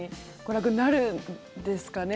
娯楽になるんですかね。